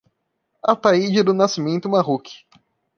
Ataide do Nascimento Marruch